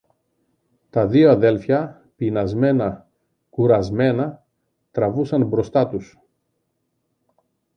Τα δυο αδέλφια, πεινασμένα, κουρασμένα, τραβούσαν μπροστά τους.